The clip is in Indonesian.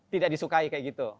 tidak disukai seperti itu